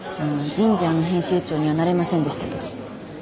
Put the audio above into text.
『ＧＩＮＧＥＲ』の編集長にはなれませんでしたけど。